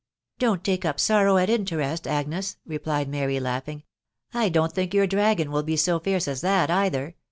Don't take up sorrow at interest, Agnes," replied Mary, laughing. " I don't think your dragon will be so fiercesa tint either.